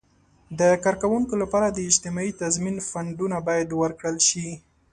د کارکوونکو لپاره د اجتماعي تضمین فنډونه باید ورکړل شي.